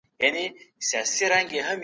هغې پر وخت ډاکټرې ته د تګ غوښتنه کړې ده.